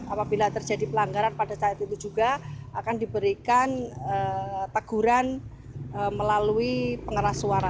apabila terjadi pelanggaran pada saat itu juga akan diberikan teguran melalui pengeras suara